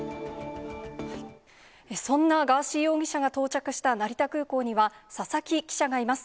そんなガーシー容疑者が到着した成田空港には、佐々木記者がいます。